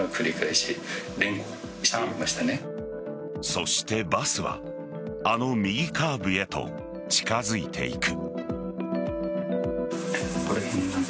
そして、バスはあの右カーブへと近づいていく。